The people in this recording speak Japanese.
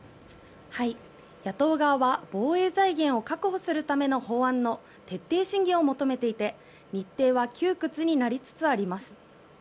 野党側は防衛財源を確保するための法案の徹底審議を求めていて日程は窮屈になりつつあります。